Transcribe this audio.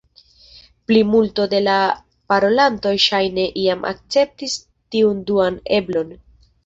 Plimulto de la parolantoj ŝajne jam akceptis tiun duan eblon.